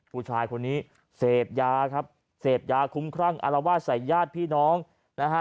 ผู้ชายคนนี้เสพยาครับเสพยาคุ้มครั่งอารวาสใส่ญาติพี่น้องนะฮะ